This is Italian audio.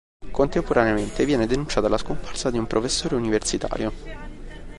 Contemporaneamente viene denunciata la scomparsa di un professore universitario.